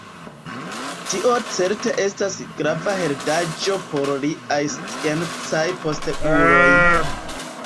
Tio certe estas grava heredaĵo por liaj sciencaj posteuloj.